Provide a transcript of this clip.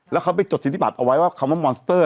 แล้วเขาไปจดสิทธิบัตรเอาไว้ว่าคำว่ามอนสเตอร์